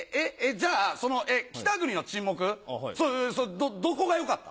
じゃあその『北国の沈黙』それどこが良かった？